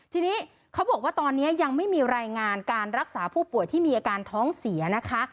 ทีนี้เขาบอกว่าตอนนี้ยังไม่มีรายงานการรักษาผู้ป่วยที่มีอาการท้องเสียนะคะ